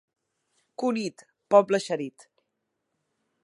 Cunit, poble eixerit!